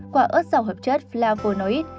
quả ớt giàu hợp chất flavonoid